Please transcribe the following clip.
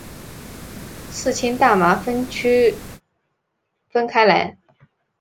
四氢大麻酚区分开来。